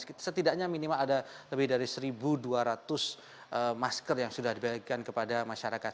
setidaknya minimal ada lebih dari satu dua ratus masker yang sudah dibagikan kepada masyarakat